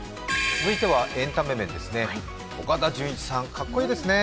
続いてはエンタメ面ですね。